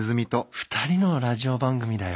２人のラジオ番組だよ。